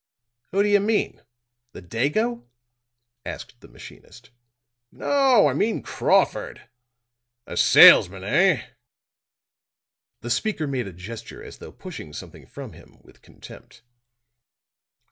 "Who do you mean the Dago?" asked the machinist. "No; I mean Crawford. A salesman, eh?" The speaker made a gesture as though pushing something from him with contempt.